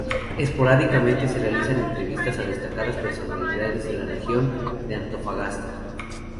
Esporádicamente se realizan entrevistas a destacadas personalidades de la Región de Antofagasta.